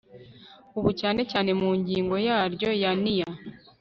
ubu cyane cyane mu ngingo yaryo ya n iya